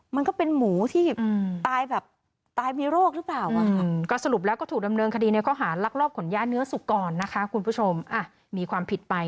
มันก็เป็นหมูที่ตายแบบตายมีโรคหรือเปล่า